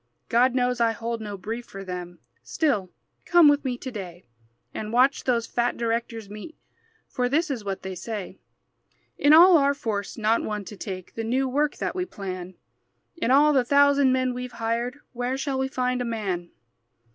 God knows I hold no brief for them; Still, come with me to day And watch those fat directors meet, For this is what they say: "In all our force not one to take The new work that we plan! In all the thousand men we've hired Where shall we find a man?"